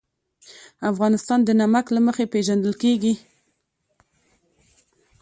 افغانستان د نمک له مخې پېژندل کېږي.